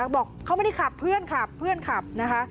บอกเขาไม่ได้ขับเพื่อนขับเพื่อนขับนะคะ